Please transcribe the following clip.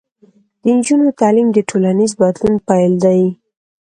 د نجونو تعلیم د ټولنیز بدلون پیل دی.